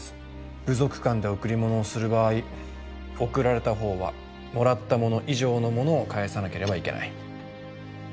部族間で贈り物をする場合贈られた方はもらったもの以上のものを返さなければいけない。